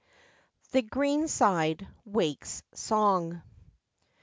THE GREENSIDE WAKES SONG.